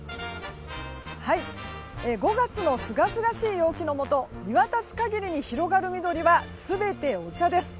５月のすがすがしい陽気のもと見渡す限りに広がる緑は全てお茶です。